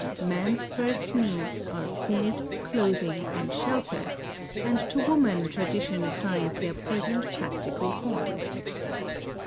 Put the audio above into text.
Man's first needs are food, clothing, and shelter, and to woman tradition assigns their present practical forms.